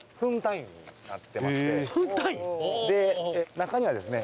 中にはですね